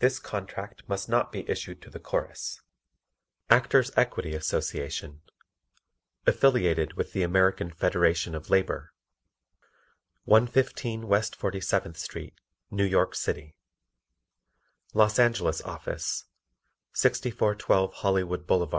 2 THIS CONTRACT MUST NOT BE ISSUED TO THE CHORUS. Actors' Equity Association (Affiliated with the American Federation of Labor) 115 West 47th Street, New York City LOS ANGELES OFFICE 6412 Hollywood Blvd.